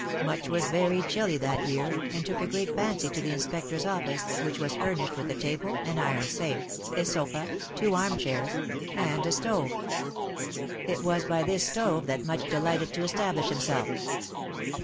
Much was very chilly that year, and took a great fancy to the Inspector's office, which was furnished with a table, an iron safe, a sofa, two arm chairs, and a stove. It was by this stove, that Much delighted to establish himself.